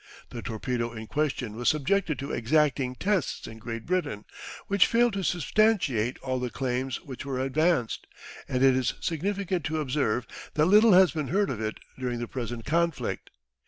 The torpedo in question was subjected to exacting tests in Great Britain, which failed to substantiate all the claims which were advanced, and it is significant to observe that little has been heard of it during the present conflict.